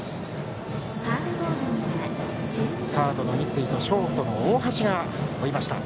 サードの三井とショートの大橋が追いました。